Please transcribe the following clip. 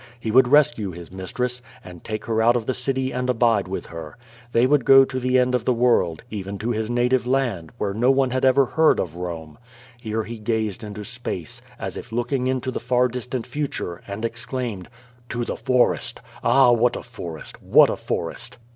He would rescue his mistress, and take her out of the city and abide with her. They would go to the end of the world, even to his native land, where no one had ever heard of Bome. Here he gazed into space, as if looking into the far distant future, and exclaimed: "To the forest! Ah, what a forest! What a forest!"